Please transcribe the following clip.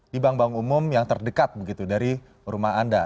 di bank bank umum yang terdekat begitu dari rumah anda